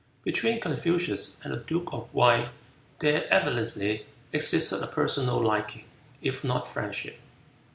Between Confucius and the duke of Wei there evidently existed a personal liking, if not friendship.